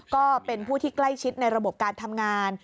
ก็เป็นผู้ที่ใกล้ชิดในระบบการทำงาน